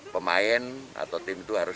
pemain atau tim itu harus